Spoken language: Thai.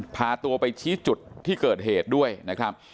พาตัวไปชี้จุดที่เกิดเหตุด้วยนะครับ